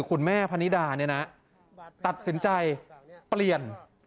คุณแม่พนิดาเนี่ยนะตัดสินใจเปลี่ยน